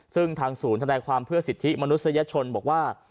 ซึ่งทางศูนย์ธนายความเพื่อสิทธิมนุษยชนบอกว่า